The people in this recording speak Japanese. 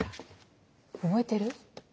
覚えてる？